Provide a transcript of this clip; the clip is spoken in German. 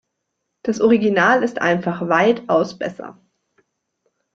Das Original ist einfach weitaus besser.